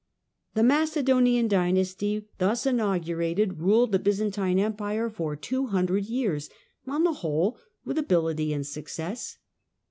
The Macedonian dynasty, thus inaugurated, ruled the yzantine Empire for two hundred years, on the whole "ith ability and success.